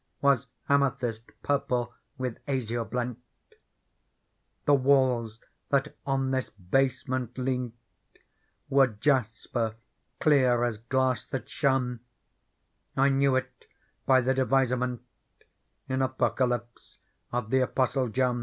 Was amethyst purple with azure blent. The walls, that on this basement leant. Were jasper clear as glass that shone : I knew it by the devis6ment In Apocalypse of the Apostle John.